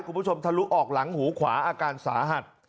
คุณผู้ชมทะลุออกหลังหูขวาอาการสาหัด